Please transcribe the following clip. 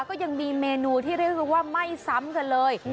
ก็ยังมีเมนูที่เรียกได้ว่าไม่ซ้ำกันเลย